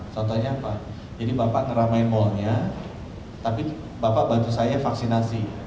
contohnya apa jadi bapak ngeramain malnya tapi bapak bantu saya vaksinasi